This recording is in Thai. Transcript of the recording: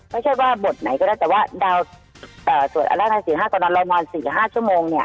ไม่ใช่ว่าบทไหนก็ได้แต่ว่าดาวสวดอร่าไทย๔๕ต่อวันเรานอน๔๕ชั่วโมงเนี่ย